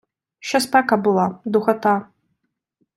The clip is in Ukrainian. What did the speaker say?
Ще спека була, духота.